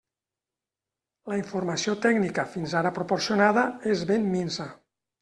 La informació tècnica fins ara proporcionada és ben minsa.